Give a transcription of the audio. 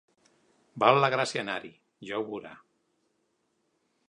Val la gràcia anar-hi, ja ho veurà.